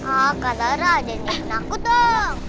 ah kak zara ada yang nangkut dong